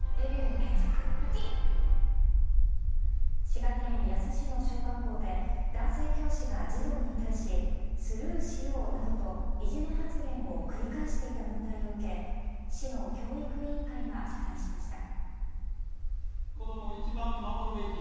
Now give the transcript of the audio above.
滋賀県野洲市の小学校で男性教師が児童に対しスルーしようなどといじめ発言を繰り返していた問題を受け市の教育委員会が謝罪しました。